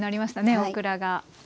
オクラが。